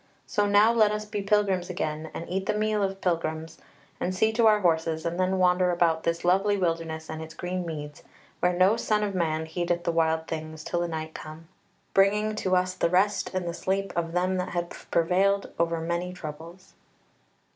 So now let us be pilgrims again, and eat the meal of pilgrims, and see to our horses, and then wander about this lovely wilderness and its green meads, where no son of man heedeth the wild things, till the night come, bringing to us the rest and the sleep of them that have prevailed over many troubles."